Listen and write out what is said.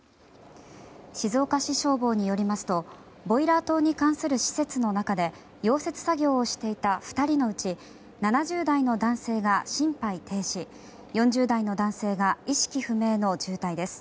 静岡市消防によりますとボイラー棟に関する施設の中で溶接作業をしていた２人のうち７０代の男性が心肺停止４０代の男性が意識不明の重体です。